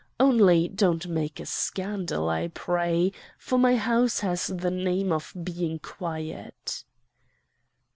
Only don't make a scandal, I pray, for my house has the name of being quiet.